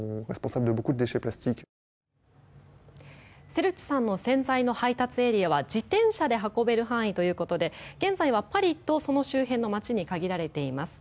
セルチさんの洗剤の配達エリアは自転車で運べる範囲ということで現在はパリとその周辺の街に限られています。